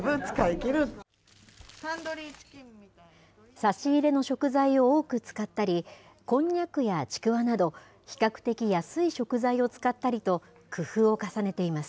差し入れの食材を多く使ったり、こんにゃくやちくわなど比較的安い食材を使ったりと、工夫を重ねています。